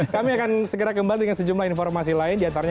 kami akan segera kembali dengan sejumlah informasi lain diantaranya